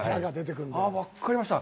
分かりました。